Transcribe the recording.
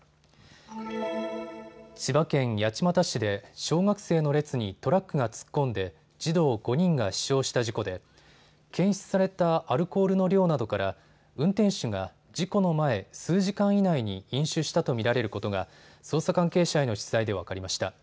千葉県八街市で小学生の列にトラックが突っ込んで児童５人が死傷した事故で検出されたアルコールの量などから運転手が事故の前、数時間以内に飲酒したと見られることが捜査関係者への取材で分かりました。